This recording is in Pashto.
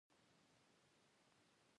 په شريف سر وګرځېده.